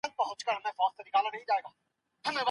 تعلیم لرونکې میندې د ماشومانو د ناروغۍ مخنیوي ته چمتو وي.